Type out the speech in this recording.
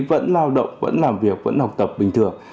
vẫn lao động vẫn làm việc vẫn học tập bình thường